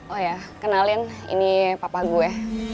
oh ya kenalin ini papa gue